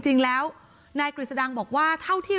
หนูจะให้เขาเซอร์ไพรส์ว่าหนูเก่ง